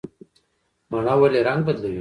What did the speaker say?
مڼه ولې رنګ بدلوي؟